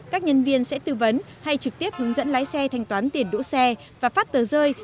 các nhân viên sẽ tư vấn hay trực tiếp hướng dẫn lái xe thanh toán tiền đỗ xe và phát tờ rơi